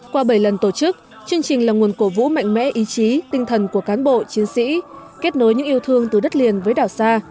qua bảy lần tổ chức chương trình là nguồn cổ vũ mạnh mẽ ý chí tinh thần của cán bộ chiến sĩ kết nối những yêu thương từ đất liền với đảo xa